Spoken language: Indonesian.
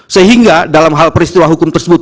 sehingga dalam hal peristiwa hukum tersebut